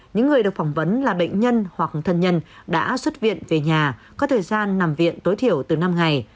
những người được phỏng vấn là bệnh nhân hoặc thân nhân đã xuất viện về nhà có thời gian nằm viện tối thiểu từ năm ngày